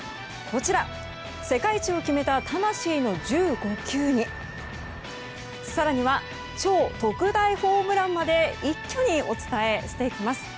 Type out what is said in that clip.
世界一を決めた魂の１５球に更には超特大ホームランまで一挙にお伝えしていきます。